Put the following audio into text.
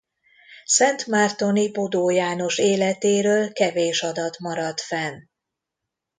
Szentmártoni Bodó János életéről kevés adat maradt fenn.